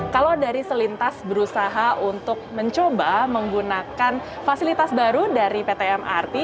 kalau dari selintas berusaha untuk mencoba menggunakan fasilitas baru dari pt mrt